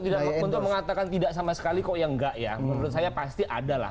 tidak untuk mengatakan tidak sama sekali kok ya enggak ya menurut saya pasti ada lah